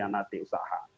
karena mengkhianati usaha